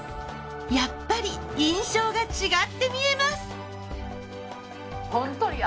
やっぱり印象が違って見えます。